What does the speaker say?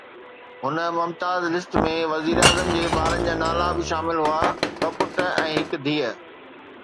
هن ”ممتاز لسٽ“ ۾ وزيراعظم جي ٻارن جا نالا به شامل هئا: ٻه پٽ ۽ هڪ ڌيءَ.